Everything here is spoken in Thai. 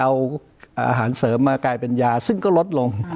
เอาอาหารเสริมมากลายเป็นยาซึ่งก็ลดลง